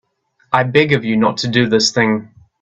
I beg of you not to do this thing.